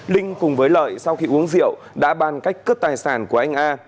linh cùng với lợi sau khi uống rượu đã bàn cách cướp tài sản của anh a